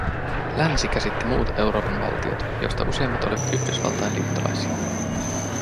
Länsi käsitti muut Euroopan valtiot, joista useimmat olivat Yhdysvaltain liittolaisia